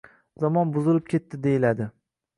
Zamon buzilib ketdi, deyiladi.